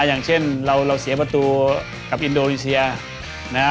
อย่างเช่นเราเสียประตูกับอินโดนีเซียนะฮะ